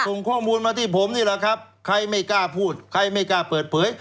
ส่งข้อมูลมาที่ผมนี่แหละครับใครไม่กล้าพูดใครไม่กล้าเปิดเผย